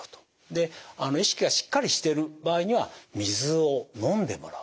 で意識がしっかりしてる場合には水を飲んでもらう。